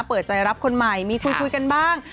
เปิดใจรับคนใหม่มีคุยกันบ้าง